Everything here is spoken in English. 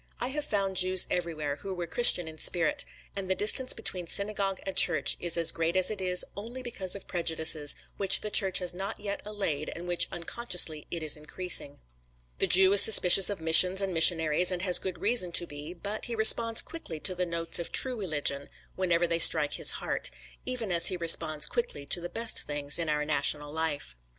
I have found Jews everywhere who were Christian in spirit; and the distance between synagogue and church is as great as it is, only because of prejudices, which the church has not yet allayed and which unconsciously it is increasing. The Jew is suspicious of missions and missionaries and has good reason to be, but he responds quickly to the notes of true religion whenever they strike his heart; even as he responds quickly to the best things in our national life.